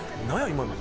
今の。